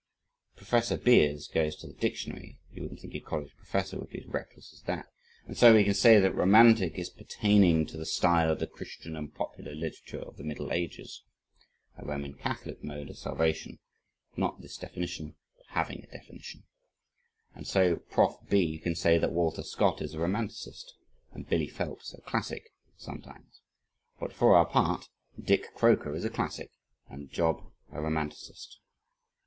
Professor Beers goes to the dictionary (you wouldn't think a college professor would be as reckless as that). And so he can say that "romantic" is "pertaining to the style of the Christian and popular literature of the Middle Ages," a Roman Catholic mode of salvation (not this definition but having a definition). And so Prof. B. can say that Walter Scott is a romanticist (and Billy Phelps a classic sometimes). But for our part Dick Croker is a classic and job a romanticist.